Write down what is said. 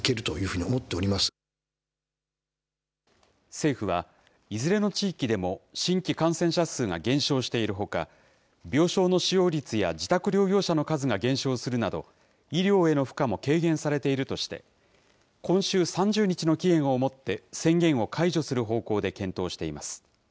政府は、いずれの地域でも新規感染者数が減少しているほか、病床の使用率や自宅療養者の数も減少するなど、医療への負荷も軽減されているとして、今週３０日の期限をもって宣言を解除する方向で検討しています。